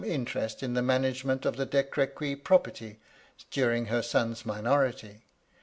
interest in the management of the De Crequy pro perty during her son's mincnrity.